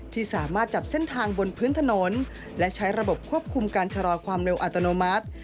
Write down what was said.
ที่สามารถจับเส้นทางบนพื้นถนนและใช้ระบบควบคุมการชะลอความเร็วอัตโนมัติ